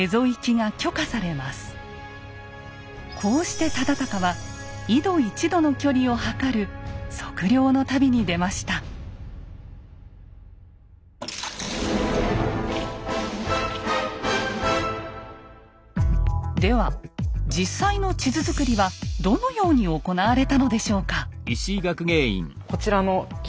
こうして忠敬はでは実際の地図作りはどのように行われたのでしょうか。